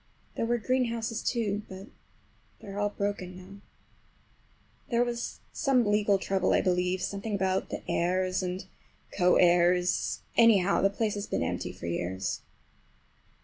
There were greenhouses, too, but they are all broken now. There was some legal trouble, I believe, something about the heirs and co heirs; anyhow, the place has been empty for years.